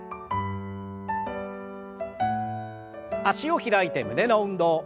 脚を開いて胸の運動。